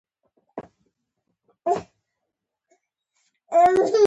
مقناطیس قطب ښودونکې ته نژدې کوو.